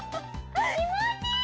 気持ちいい！